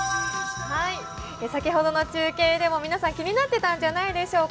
先ほどの中継でも皆さん気になっていたんじゃないでしょうか。